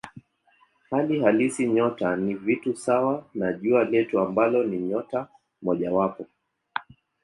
Hali halisi nyota ni vitu sawa na Jua letu ambalo ni nyota mojawapo.